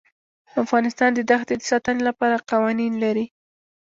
افغانستان د دښتې د ساتنې لپاره قوانین لري.